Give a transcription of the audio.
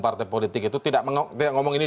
partai politik itu tidak ngomong ini